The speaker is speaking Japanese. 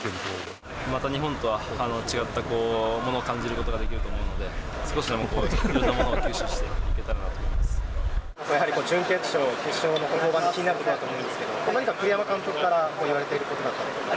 また日本とは違ったものを感じることができると思うので、少しでもいろんなものを吸収してやはり準決勝、決勝の登板が気になっていると思うんですけど、何か栗山監督から言われていることだったり？